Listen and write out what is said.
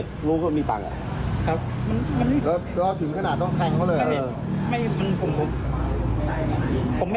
ดูแบบนี้มันอ่านไง